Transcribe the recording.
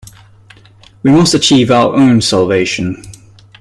We must achieve our own salvation.